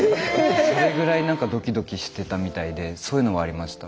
それぐらいドキドキしてたみたいでそういうのはありました。